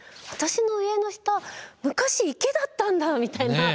「私の家の下昔池だったんだ」みたいな。